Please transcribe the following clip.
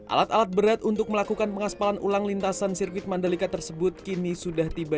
alat alat berat untuk melakukan pengaspalan ulang lintasan sirkuit mandalika tersebut kini sudah tiba